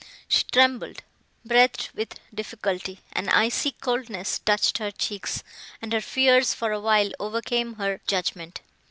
She trembled, breathed with difficulty, an icy coldness touched her cheeks, and her fears for a while overcame her judgment.